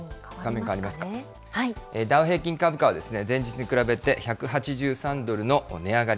ダウ平均株価は前日に比べて１８３ドルの値上がり。